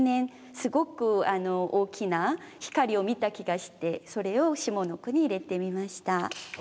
すごく大きな光を見た気がしてそれを下の句に入れてみました。